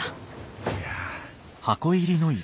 いや。